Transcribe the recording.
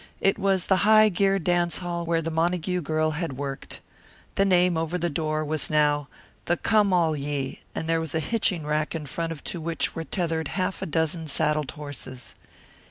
It was the High Gear Dance Hall where the Montague girl had worked. The name over the door was now "The Come All Ye," and there was a hitching rack in front to which were tethered half a dozen saddled horses.